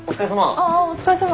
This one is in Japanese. ああお疲れさま。